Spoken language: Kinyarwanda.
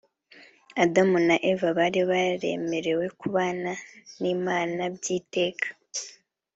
Adamu na Eva bari bararemewe kubana n’Imana by’iteka